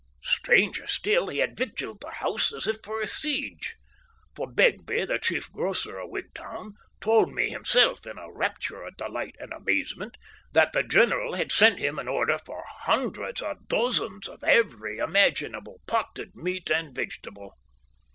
Stranger still, he had victualled the house as if for a siege, for Begbie, the chief grocer of Wigtown, told me himself in a rapture of delight and amazement that the general had sent him an order for hundreds of dozens of every imaginable potted meat and vegetable.